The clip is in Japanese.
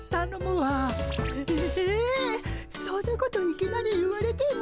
そんなこといきなり言われても。